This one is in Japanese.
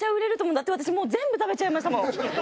だって私もう全部食べちゃいましたもん。